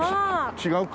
違うか。